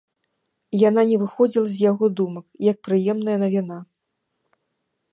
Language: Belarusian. Яна не выходзіла з яго думак, як прыемная навіна.